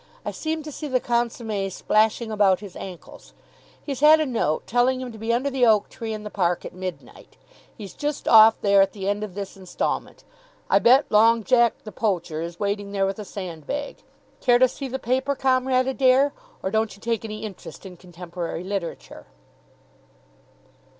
I seem to see the consommé splashing about his ankles. He's had a note telling him to be under the oak tree in the Park at midnight. He's just off there at the end of this instalment. I bet Long Jack, the poacher, is waiting there with a sandbag. Care to see the paper, Comrade Adair? Or don't you take any interest in contemporary literature?"